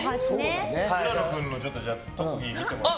浦野君の特技見てもらって。